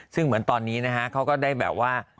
ซึ่งเหมือนตอนนี้นะฮะเขาก็ได้แบบว่า